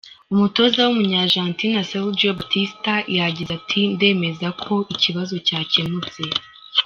Umutoza w’umunyargentina Sergio Batista yagize ati “ndemeza ko ikibazo cyakemutse”.